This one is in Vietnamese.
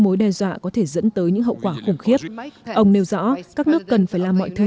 mối đe dọa có thể dẫn tới những hậu quả khủng khiếp ông nêu rõ các nước cần phải làm mọi thứ